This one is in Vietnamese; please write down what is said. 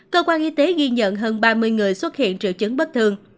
cơ quan y tế ghi nhận hơn ba mươi người xuất hiện